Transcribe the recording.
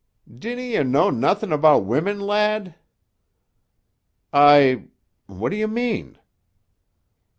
"Dinna ye know nothing about women, lad?" "I——What do you mean?"